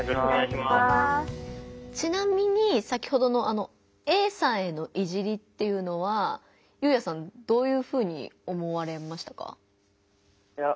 ちなみに先ほどのＡさんへの「いじり」っていうのはゆうやさんどういうふうに思われましたか？